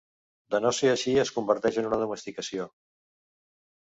De no ser així es converteix en una domesticació.